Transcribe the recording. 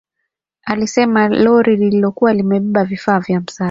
Alisema lori lilikuwa limebeba vifaa vya msaada